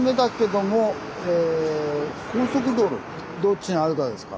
どっちにあるかですか？